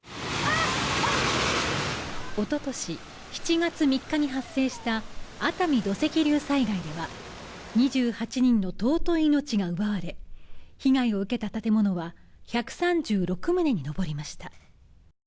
おととし７月３日に発生した熱海土石流災害では２８人の尊い命が奪われ、被害を受けた建物は１３６棟に上りました。